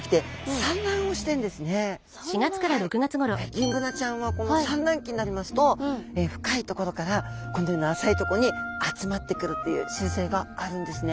ギンブナちゃんはこの産卵期になりますと深いところからこのような浅いとこに集まってくるっていう習性があるんですね。